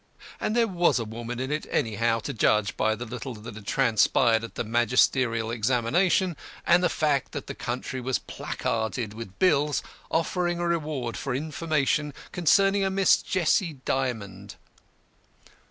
And there was a woman in it anyhow, to judge by the little that had transpired at the magisterial examination, and the fact that the country was placarded with bills offering a reward for information concerning a Miss Jessie Dymond.